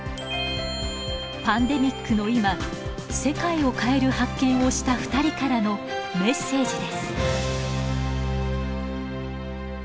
パンデミックの今世界を変える発見をした２人からのメッセージです。